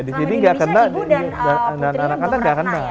di sini gak kena dan anak anak kita gak kena